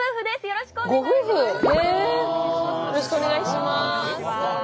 よろしくお願いします。